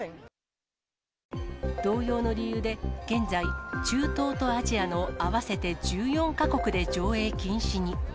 同様の理由で、現在、中東とアジアの合わせて１４か国で上映禁止に。